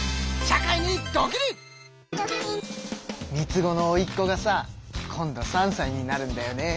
３つ子のおいっ子がさ今度３さいになるんだよね。